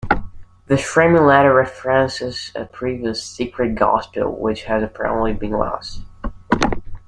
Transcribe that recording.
This framing letter references a previous "secret gospel", which has apparently been lost.